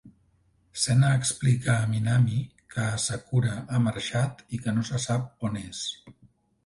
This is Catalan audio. Sena explica a Minami que Asakura ha marxat i que no se sap on és.